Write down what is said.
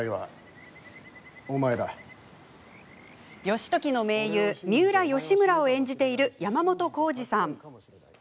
義時の盟友三浦義村を演じている山本耕史さん。